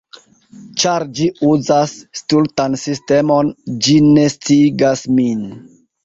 Ĉar ĝi uzas stultan sistemon... ĝi ne sciigas min